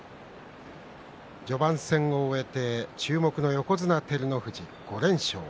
序盤戦を終えて注目の横綱照ノ富士、５連勝。